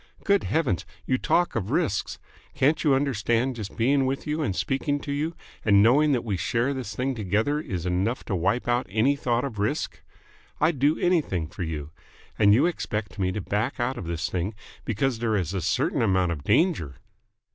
Good Heavens, you talk of risks. Can't you understand that just being with you and speaking to you and knowing that we share this thing together is enough to wipe out any thought of risk? I'd do anything for you. And you expect me to back out of this thing because there is a certain amount of danger!"